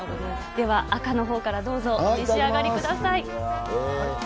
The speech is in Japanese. では、赤のほうからどうぞ、お召し上がりください。